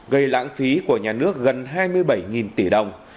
gây lãng phí của nhà nước gần hai mươi bảy tỷ đồng